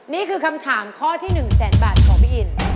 นี่คือคำถามข้อที่๑แสนบาทของพี่อิน